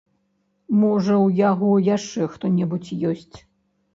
Можа, у яго яшчэ хто-небудзь ёсць?